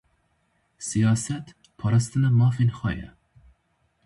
Sîyaset, parastina mafên xwe ye